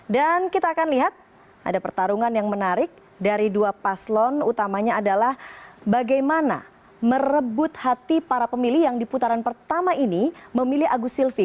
dan kita akan lihat ada pertarungan yang menarik dari dua paslon utamanya adalah bagaimana merebut hati para pemilih yang di putaran pertama ini memilih agus silvi